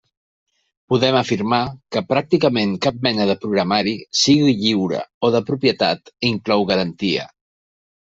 Podem afirmar que pràcticament cap mena de programari, sigui lliure o de propietat, inclou garantia.